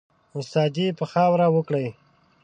استادي به خاوري وکړې